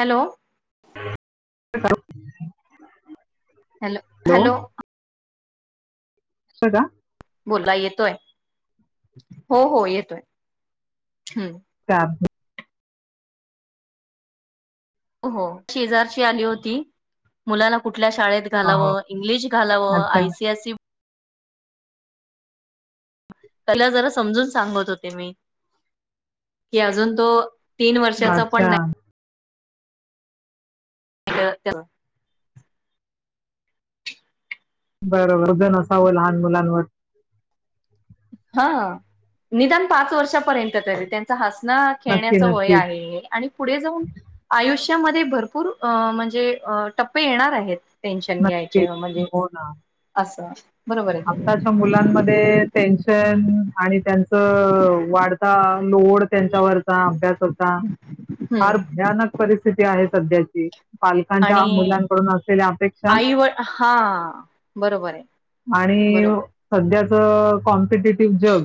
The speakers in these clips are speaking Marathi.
हॅलो [unintelligible] हॅलो, हॅलो अस का! बोला येतोय,, हो, हो येतोय, हम्म. चालतंय हो,, शेजारची आली होती, मुलाला कुठऽऽ कल्या शाळेत हो घालाव, हो इंग्लिश घालाव, अच्छा आय, सी आय सी, घालावंऽऽ त्याला जरा समजून सांगत होते मी,, की अजून तोऽऽ तीन वर्षाचा अच्छा पण नाही. [unintelligible] बरोबर,, ते नसाव लहान मुलांवर. हा,, निदान पाच वर्षापर्यंत तरी त्यांचा हऽऽ नां नक्की खेळण्याचा वय नक्कीच आहे, आणि पुढे जाऊन आयुष्यऽऽऽ च्यामध्ये भरपूर अऽऽम्हणजे अ टप्पे येणार आहेत. टेन्शन नक्कीच घ्यायचे म्हणजे,, हो ना असं. बरोबर आहे आत्ताच्या मुलांमध्ये टेन्शन आणि त्यांचं अ ऽवाढताऽऽ लोड, त्यांच्यावरचा अभ्यासाचा, हम्म फार भयानक परिस्थिती आहे. सध्याची पालकांच्या आणि मुलांकडून असलेल्या अपेक्षा. आई व हा बरोबर आहे आणि,, बरोबर सध्याच कॉम्पिटेटिव जग,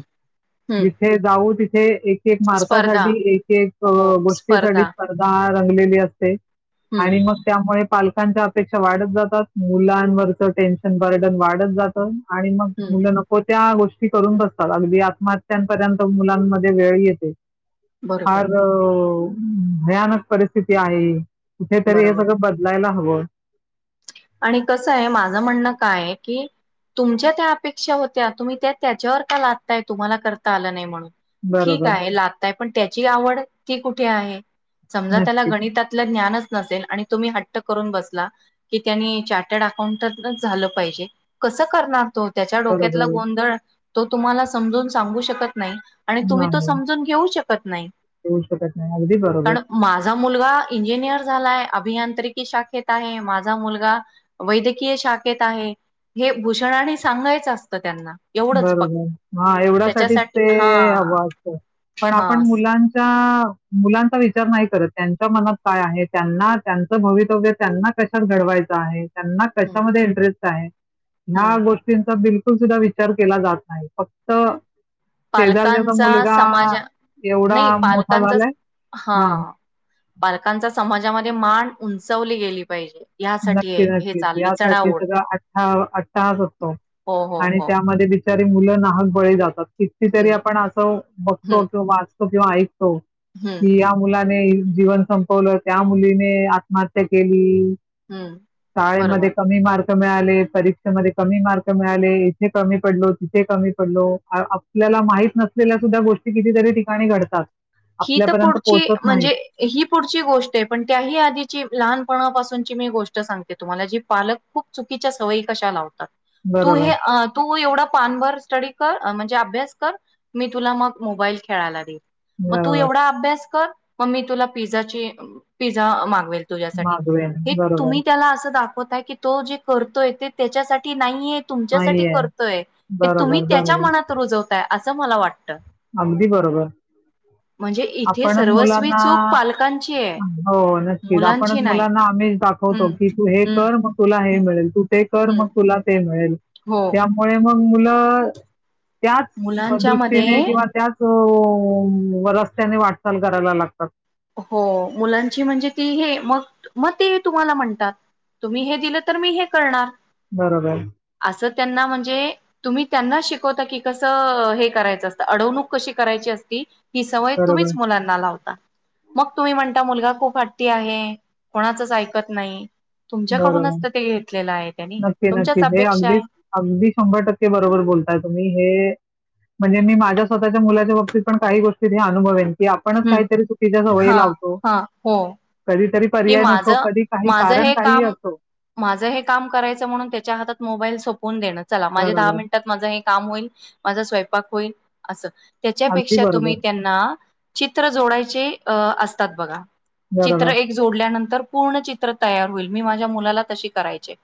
हम्म जिथे जाऊ तिेऽऽ हे एक, एक स्पर्धा मार्कासाठी. एक, अ ऽएक हो स्पर्धा गोष्टीसाठी स्पर्धा रंगलेली असते. आणि हम्म मग त्यामुळे पालऽऽ कांच्या अपेक्षा वाढत जातात,, मुलांवरचं टेन्शन बरडन वाढत जातं. आणि मग हम्म मुलं नको त्याऽऽ गोष्टी करून बसतात, अगदी आत्महत्यांपर्यंत मुलांमध्ये वेळ येते. बरोबर फारऽऽ भयानक परिस्थिती आहे ही. कुठेतरी हे बरोबर सगळं बदलायला हवं. आणि कसं या, माझं म्हणणं कायय कीऽऽ तुमच्या त्या अपेक्षा होत्या, तुम्ही त्या त्याच्यावर का लादताय तुम्हाला करता आलं नाही म्हणूनऽऽ ठीक बरोबर. आहे लागताय पण त्याची,, आवड ती कुठे आहे. समजा त्याला नक्कीच. गणितातलं ज्ञानच नसेल, आणि तुम्ही हट्ट करून बसला. की त्यांनी चार्टर्ड अकाउंटच झालं पाहिजे, कसं करणार तो. त्याच्या डोक्यातला बरोबर. गोंधळ,, तो तुम्हाला समजून सांगू शकतऽऽ नाही, आणि तुम्ही तो नाही. समजून घेऊ शकत नाही. होऊ शकत नाही. अगदी बरोबर. पण माझा मुलगा इंजिनियर झालाय, अभियांत्रिकी शाखेत आहे, माझ. माझा मुलगा वैद्यकीय शाखेत आहे, हे भूषणाने आणि सांगायचं असतं त्यांनाऽऽ बरोबर, हा एवढ्यासाठीच हा ते आस्तिक. पण हा आपण मुलांचा मुलांचा विचार नाही करत, त्यांच्या मनात काय आय, त्यांना त्यांचं भवितव्य त्यांना कशात घडवायचं त्यांना हम्म कशामध्ये इंटरेस्ट आहे, ह्या हम्म गोष्टींचा बिलकुल सुद्धा विचार केला जात नाही, फक्त शेजारच्याचा पालकांचा मुलगा समाजा एवढा नाही मोठा पालकांचा झालाय हा. पालकांचा समाजामध्ये मांन उंचवली गेली पाहिजे. ह्यासाठी हे नक्की हे नक्कीच चालली यासाठी चढाओढ सगळा अठा अठाहास असतो. हो हो आणि हो त्यामध्ये बि बिचारी मुलं नाहक बळी जातात, कितीतरी हम्म आपण असं बघतो हम्म किंवा वाचतो किंवा ऐक हो. हम्म कि या मुलाची जीवन संपवलं, त्या मुलीने आत्महत्या केली. हम्म बरोबर शाळेमध्ये कमी मार्क मिळाले परीक्षेमध्ये कमी मार्क मिळाले. इथे कमी पडलो, तिथे कमी पडलो, आपल्या ला माहीत नसलेल्या सुद्धा गोष्टी कितीतरी ठिकाणी घडतात. ही तर आपल्यापर्यंत पुढची पोहोचत नाहीत म्हणजे ही पुढची गोष्ट या पण त्याही आधीची लहान पणा पासून. ची गोष्ट मी सांगते तुम्हाला, जी पालक खूप चुकीच्या सवयी कशा लावतात. तू हे बरोबर अ तू एवढं पान वर स्टडी कर म्हणजे अभ्यास कर मी तुला मग मोबाईल खेळायला देऊन. मग तू बरोबर एवढा अभ्यास कर मग मी तुला पिझ्झाची अ पिझ्झा मागवेल. तुझ्या साठी मागवे हे बरोबर तुम्ही त्याला अस दाखवताय की तो जे करतोय ते त्याच्यासाठी नाहीय. तुमच्यासाठी नाहीये करतोय हे तुम्ही बरोबर त्याच्या बरोबर मनात रुजवताय असं मला वाटतं. अगदी बरोबर. म्हणजे इथे आपणच सर्वस्वी मुलांना चूक पालकांची आहे हो नक्कीच आपण मुलांची नाही मुलांना आमिश हम्म दाखवतो की हे कर हम्म मग तुला हे मिळेल तू ते कर मग हम्म तुला ते मिळेल हो त्यामुळे मग मुलं त्याच मुलांच्या दृष्टीने मध्ये हो रस्त्याने वाटचाल करायला लागतात. हो, मुलांची म्हणजे ती हे मग मग ते तुम्हाला म्हणतात तुम्ही हे दिलं तर मी हे करणार. बरोबर. असं त्यांना म्हणजे, तुम्ही त्यांना शिकवता की कसं, हे करायचं असतं, अडवणूक कशी करायची असती. ही सवय तुम्हीच बरोबर, मुलांना लावता. मग तुम्ही म्हणता, मुलगा खूप हटी आहे कोणाचच ऐकत नाही. बरोबर तुमच्याकडूनच तर ते घेतलेलं आहे त्यांनी नक्की तुमच्याच नक्की ते अपेक्षा अगदीच अगदी शंभर टक्के बरोबर बोल. बोलताय तुम्ही हे म्हणजे मी माझ्या स्वतःच्या मुलाच्या बाबतीत पण काही गोष्टीत मी अनुभवन. की आपणच आहे काहीतरी चुकीच्या सवयी हा लावतो. हा हो कधीतरी की पर्याय नसतो, माझं कधी काही माझं कारण हे काहीही काम असतो. माझं हे काम करायचं म्हणून त्याच्या हातात मोबाईल सोपवून देणं. चला, माझे दहा बरोबर, मिनिटात माझं हे काम होईल माझा स्वयंपाक होईल असं. अगदी त्याच्यापेक्षा तुम्ही बरोबर. त्यांना चित्र जोडायचे अ असतात बघा. बरोबर. जोोल्यानंतर पूर्ण चित्र तयार होईल, मी माझ्या मुलाला तशी करायचे.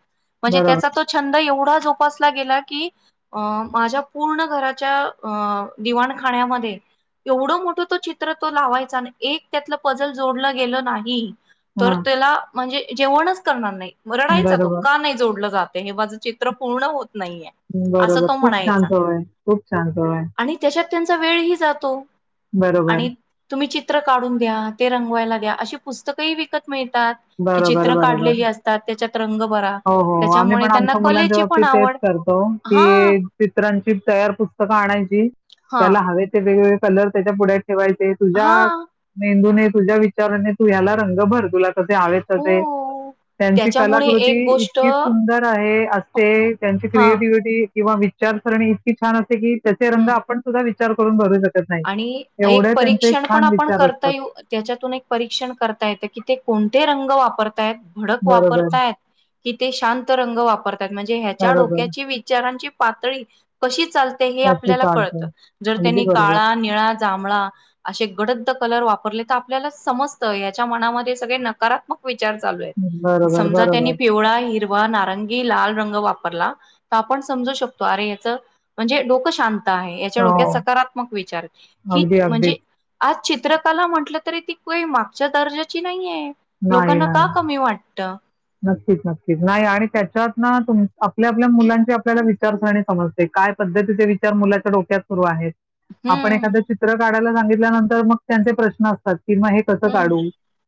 म्हणजे बरोबर. त्याचा तो छंद एवढा जोपासला गेला की अ माझ्या. पूर्ण घराच्या अ दिवाणखाण्या मध्ये. एवढं मोठं तो चित्र तो लावायचा आणि एक त्यातलं पजल जोडलं गेलं नाही. तर हां, त्याला म्हणजे जेवणच करणार नाही म रडायचा तो बरोबर, का नाही जोडल जात. हे माझं चित्र पूर्ण होत. नाहीयेय, अस बरोबर. तो खूप छान म्हणायचा सवय, खूप छान सवय. आणि त्याच्यात. त्यांचा वेळही जातो बरोबर. आणि तुम्ही चिञ चीत्र काढून द्या, ते रंगवायला द्या, अशी पुस्तकही विकत मिळताऽऽ त, बरोबर, चित्र बरोबर. काढलेली असतात, त्याच्यात रंगभरा,, हो, हो. आम्ही त्याच्यामुळे पण त्यांना आमच्या मुलांच्या कलेची पण बाबतीत तेच आवडऽऽ करतो, की चित्रांची तयार पुस्तकं आणायचीऽऽ हा त्याला हवे ते वेगवेगळे कलर त्याच्या पुढ्यात ठेवायचे,, हा तुझ्या मेंदूने. तुझ्या विचाराने तू ह्याला रंग भर तुला कसे हवे तसे. हो त्यांची त्याच्यामुळे कलाकृती एक गोष्ट इतकी सुंदर आहे असते त्यांची हा क्रिएटिव्हिटी. किंवा विचारसरणी इतकी छान असते, कि त्याचे रंग हम्म आपण सुद्धा विचार करून भरू शकतो. आणि एक परीक्षण पण आपण विचार करता असतात. येऊ त्याच्यातून एक परीक्षण करता येतं की ते कोण. ते रंग वापरतायत भडक बरोबर, वापरतायत. कि ते शांत रंग वापरतात म्हणजे ह्याच्या बरोबर. डोक्याची विचारांची पातळी कशी चालते. हे त्याची आपल्या कळत चालते. जर अगदी त्यांनी बरोबर. काळा निळा जांभळा असे गडद कलर वापरले. आपल्याला समजत याच्या मनामध्ये सगळे नकारात्मक विचार. चालू आहे बरोबर, समजा त्यांनी बरोबर. पिवळा हिरवा नारंगी लाल रंग वापर. ला आपण समू शकतो अरे याच म्हणजे डोकं शांत आहे याच्या डोक्यात हो. सकारात्मक खूप विचार करतो अगदी, म्हणजे अगदीच. आज चित्रकला म्हटलं तरी ती मागच्या दर्जाची नाहीये नाही, लोकांना का नाही. कमी वाटत. नक्कीच नक्कीच नाही आणि त्याच्यात ना आपल्या आपल्या मुलांची आपल्याला विचारसरणी समजते का काय पद्धतीचे विचार मुलाच्या डोक्यात सुरू आहेत. आपण हम्म. एखादं चित्र काढायला सांगितल्यानंतर मग त्यांचे प्रश्न असतात. किंवा हे कसं हम्म. काढू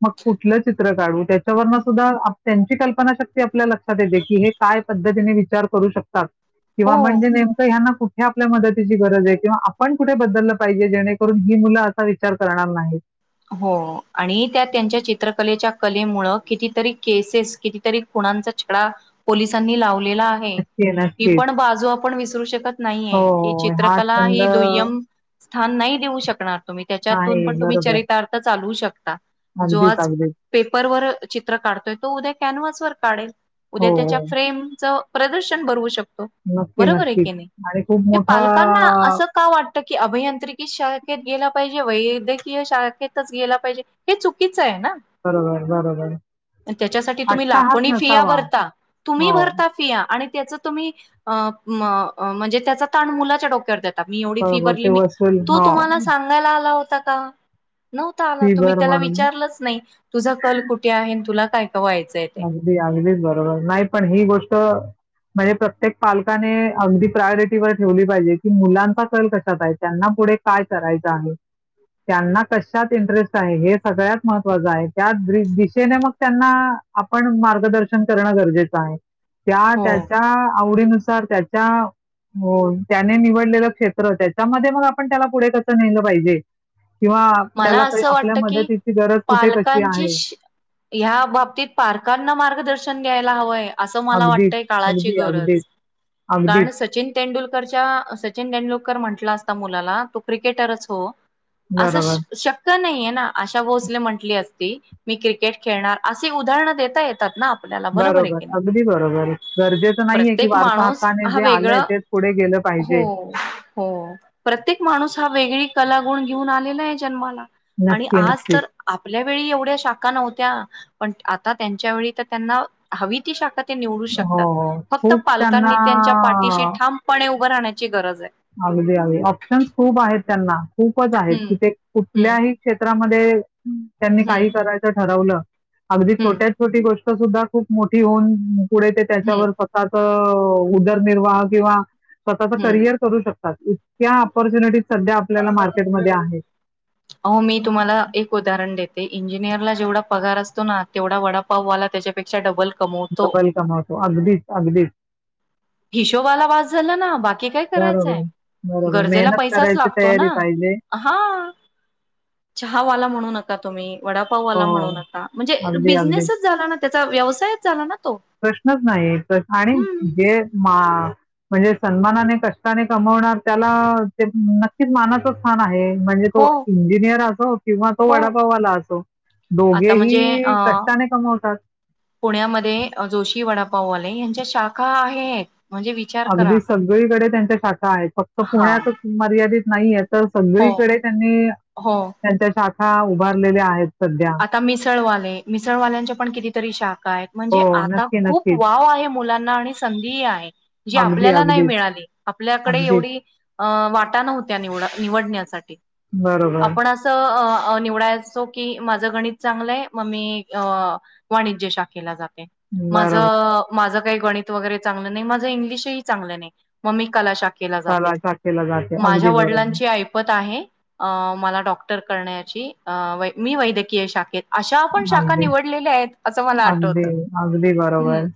मग कुठलं चित्र काढू त्याच्यावरन सुद्धा त्यांची कल्पनाशक्ती आपल्या लक्षात येते की हे काय पद्धतीने विचार करू शकत. किंवा हो. म्हणजे नेमकं ह्यांना कुठ. हे आपल्या मदतीची गरज आहे किंवा आपण कुठे बदललं पाहिजे जेणेकरून ही मुलं असा विचार करणार नाहीत. हो आणि त्या त्यांच्या चित्रकलेच्या. कलेमूळ कितीरी केसेस कितीतरी खुनाचा छडा पोलिसांनी लाव आहे नक्की, ही नक्की. पण बाजू आपण विसरू शकत हो नाहीये की हा चित्रकला छंद ही दुय्यम आहे स्थान नाही देऊ शकणार. तुम्ही त्याच्यातून पण बरोबर. तुम्हीरित चालू शकता जो अगदीच आज अगदीच. पेपर वर चित्र काढतोय तो उद्या. कॅनव्हस वर काढेल हो, उद्या त्याच्या हो. फ्रेम च प्रदर्शन भरवू शकतो. नक्की बरोबर आहे नक्कीच की नाही. आणि खूप ते मोठा पालकांना असं का वाटत की अभियांत्रिकी शाळेत गेला पाहिजे वैद्यकीय शाखेतच गेला पाहिजे हे चुकीच बरोबर बरोबर. त्याच्यासाठी तुम्ही अट्टाहास लाकोणी फिया नसावा. भरता तुम्ही हो, भरता फिया आणि त्याचा तुम्ही म्हणजे त्याचा ताण मुलाच्या डोक्यावर देता. आता मी एवढी फी बरोबर भरली, ते मी वसूल तो हो, तुम्हाला सांगायला आला होता का. नव्हता आला फी तुम्ही भर त्याला म्हणून. विचारलंच नाही, तुझा कल कुठे आहे तुला. काय का व्हायचंय ते अगदी अगदीच बरोबर नाही पण ही गोष्ट. म्हणजे प्रत्येक पालकाने अगदी प्रायोरिटीवर ठेवली पाहिजे की मुलांचा कल कशात आहे त्यांना. पुढे काय करायचं आहे. त्यांना कशात इंटरेस्ट आहे हे सगळ्यात महत्त्वाचं आहे त्या दिशेने मग त्यांना आपण मार्गदर्शन करणं गरजेचं आहे, त्या हो त्याच्या आवडीनु नुसार त्याच्या. हो त्याने निवडलेलं क्षेत्र त्याच्यामध्ये मग आपण त्याला पुढे कस नेलं पाहिजे. किंवा मला त्याला काही असं आपल्या वाटत की मदतीची गरज कुठे कशी आहे. या बाबतीत पारकांना मार्गदर्शन द्यायला हवंय. असं मला अगदीच वाटतय काळाची अगदी गरज. अगदीच कारण अगदीच सचिन तेंडुलकरच्या सचिन तेंडुलकर म्हणतात अस मुलाला तो क्रिकेटरच हो. बरोबर नाहीे ना आशा भोसले म्हटली असती मी क्रिकेट खेळणार अशी उदाहरण देता येतात ना आपल्याला आहे बरोबर की नाही अगदी बरोबर गरजेचं नाहीये की प्रत्येक वारसा माणूस हक्काने हा जे आलंय वेगळं तेच पुढे गेलं हो पाहिजे हो प्रत्येक माणूस हा वेगळी कला घेऊन आलेला आहे जनमाला आणि नक्की आज नक्कीच तर आपल्या एवढ्या शाखा नव्हत्या पण आता त्यांच्या व त्यांना ह त शाखा निवडू हो. शकतात हो. फक्त खूप त्यांना पालकांनी त्यांच्या पाठीशी ठामपणे उभं राहण्याची गरज आहे अगदी ऑप्शन्स खूप आहेत त्यांना खूपच आहेत की हम्म ते हम्म कुठल्याही क्षेत्रात त्यांनी काही हम्म करायचं ठरवलं अगदी हम्म छोट्या छोटी गोष्ट सुद्धा खूप मोठी होऊन पुढे ते त्याच्यावर हम्म स्वतःच उदरनिर्वाह किंवा स्वतःचा हम्म करिअर करू शकतात इतक्या ऑपॉर्च्युनिटी हो मी तुम्हाला एक उदाहरण देते ते इंजिनिअरला जेवढा पगार असतो ना तेवढा वडापाव वाला त्याच्यापेक्षा डबल कमवतो. वेलकम होत अगदीच अगदीच हिशोबाला वास झाला ना बाकी काय करायचंय बरोबर, बरोबर. गरजेला मेहनत पैसाच करायची लागतो तयारी पाहिजे. हा चहावाला म्हणू नका तुम्ही वडापाऊ हो, आला म्हणून आता म्हणजे अगदी, अगदी. बिझनेसच झाला ना त्याचा व्यवसायच झाला ना तो प्रश्नच नाही् आणि हम्म जे मा म्हणजे सन्मानाने कष्टाने कमवणार त्याला ते नक्कीच मानाचं स्थान आहे म्हणजे हो तो इंजिनियर असो किंवा तो हो. वडापावाला असो आता म्हणजे अ दोघेही कष्टाने कमवतात पुण्यामध्ये की वडापाववाले यांच्या शाखा आहेत म्हणजे विचार करा अगदी सगळीकडे त्यांच्या शाखा आहेत फक्त हा पुण्यातच मर्यादित नाही आहेत तर हो सगळीकडे त्यांनी हो त्यांच्या शाखा उभारलेल्या आहेत सध्या आता मिसळवाले मिसळवाल्यांच्या पण कितीतरी शाख काय हो म्हणजे आता नक्की खूप नक्कीच वाव आहे मुलांना आणि संधीही आहे जी अगदी आपल्याला नाही अगदीच मिळाली आपल्याकडे अगदीच एवढी अं वाटा नव्हत्या निवड निवडण्यासाठी बरोबर आपण असं निवडायचो की माझं गणित चांगलंय मग मी वाणिज्य शाखेला जातो माझ बरोबर माझ गित वर चां नाही मा इंग्लही चगलं नाही मग मी क शा केला जाते कला शाखेला जाते माझ्या अगदी बरोबर वडिलांची ऐपत आहे मला डॉक्टरण्याची मी वै्यय शाेत अशा पण शाखा अगदी निवडलेल्या आहेत असं मला अगदी, आठवतं अगदी हम् बरोबर.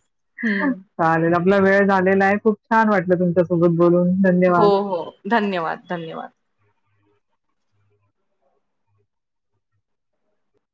चालेल आपला वेळ झालेला आहे खूप छान वाटलं तुमच्यासोबत बोलून. हो धन्यवाद. हो धन्यवाद धन्यवाद